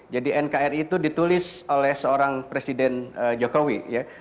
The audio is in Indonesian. jadi nkri itu ditulis oleh seorang presiden jokowi